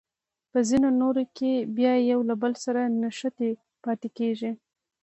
په ځینو نورو کې بیا یو له بل سره نښتې پاتې کیږي.